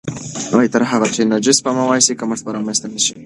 تر هغه چې انرژي سپما شي، کمښت به رامنځته نه شي.